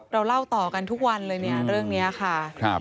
เราเล่าต่อกันทุกวันเลยเนี่ยเรื่องนี้ค่ะ